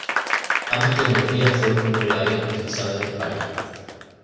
Ambas tecnologías fueron por primera vez utilizadas en España.